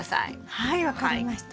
はい分かりました。